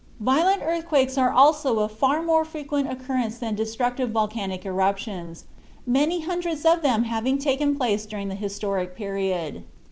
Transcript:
Violent earthquakes are also of far more frequent occurrence than destructive volcanic eruptions, many hundreds of them having taken place during the historic period.